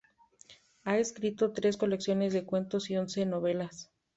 Ha escrito tres colecciones de cuentos y once novelas.